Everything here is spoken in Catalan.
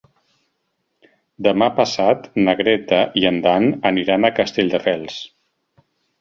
Demà passat na Greta i en Dan aniran a Castelldefels.